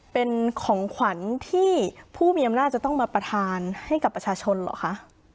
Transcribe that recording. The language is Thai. เป็นของขวัญที่ผู้มีอำนาจจะต้องมาประทานให้กับประชาชนเหรอคะ